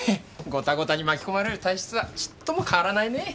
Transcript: ゴタゴタに巻き込まれる体質はちっとも変わらないねぇ。